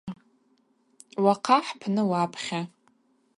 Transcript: Уахъа хӏпны уапхьа.